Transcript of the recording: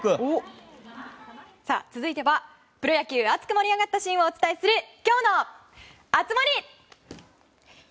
続いてはプロ野球熱く盛り上がったシーンをお届けする今日の熱盛！